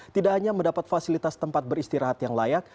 tidak hanya mendapat fasilitas tempat beristirahat yang layak